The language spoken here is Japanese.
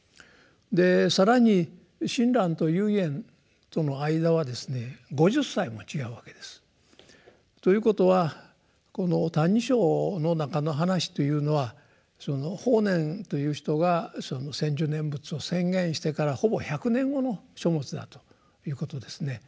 で更に親鸞と唯円との間はですね５０歳も違うわけです。ということはこの「歎異抄」の中の話というのはその法然という人が「専修念仏」を宣言してからほぼ１００年後の書物だということですね。